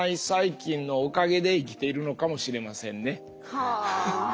はあ。